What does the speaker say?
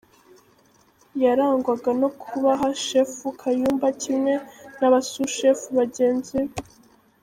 Yarangwaga no kubaha Shefu Kayumba kimwe n’abasushefu bagenzi be.